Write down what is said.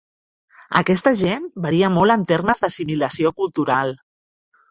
Aquesta gent varia molt en termes d'assimilació cultural.